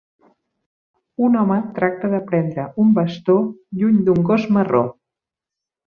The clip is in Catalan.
Un home tracta de prendre un bastó lluny d'un gos marró